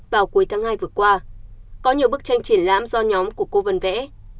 vào cuối tháng hai vừa qua có nhiều bức tranh triển lãm do nhóm của cô vân vẽ